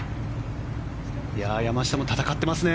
山下も戦ってますね。